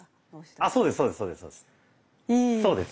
あそうです